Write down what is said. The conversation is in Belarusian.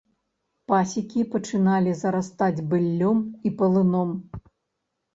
Пасекі пачыналі зарастаць быллём і палыном.